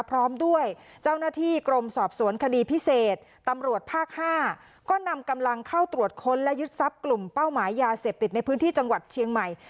พร้อมด้วยเจ้าหน้าที่กรมสอบสวนคดีพิเศษตำรวจภาค๕ก็นำกำลังเข้าตรวจค้นและยึดทรัพย์กลุ่มเป้าหมายยาเสพติดในพื้นที่จังหวัดเชียงใหม่